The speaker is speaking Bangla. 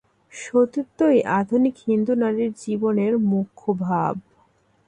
সতীত্বই আধুনিক হিন্দু নারীর জীবনের মুখ্য ভাব।